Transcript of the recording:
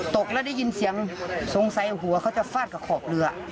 ตกแล้วได้ยินเสียงสงสัยหัวเขาจะฟาดกับขอบเรือ